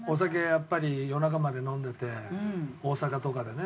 やっぱり夜中まで飲んでて大阪とかでね。